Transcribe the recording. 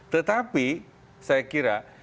tetapi saya kira